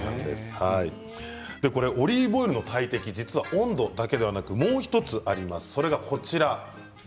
オリーブオイルの大敵温度だけではなくもう１つあります。